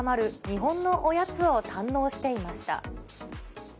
日本のおやつを堪能していました。